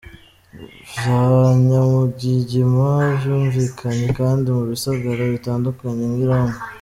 Vya nyamugigima vyumvikanye kandi mu bisagara bitandukanye nk’i Roma.